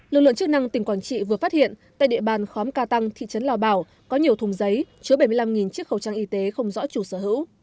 lực lượng chức năng tỉnh quảng trị vừa phát hiện tại địa bàn khóm ca tăng thị trấn lò bảo có nhiều thùng giấy chứa bảy mươi năm chiếc khẩu trang y tế không rõ chủ sở hữu